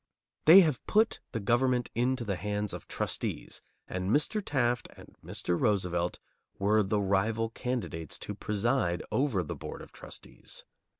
They have put the government into the hands of trustees, and Mr. Taft and Mr. Roosevelt were the rival candidates to preside over the board of trustees.